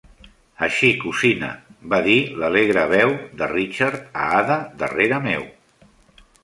"Així, cosina", va dir l'alegre veu de Richard a Ada darrere meu.